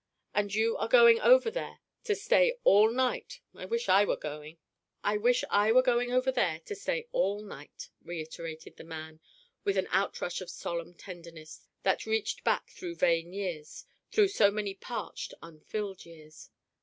And you are going over there to stay all night. I wish I were going. I wish I were going over there to stay all night," reiterated the man, with an outrush of solemn tenderness that reached back through vain years, through so many parched, unfilled years.